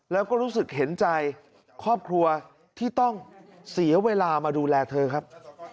แล้วก็รู้สึกเห็นใจครอบครัวที่ต้องเสียเวลามาดูแลเธอครับ